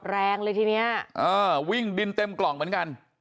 แรงเลยทีนี้วิ่งดินเต็มกล่องเหมือนกัน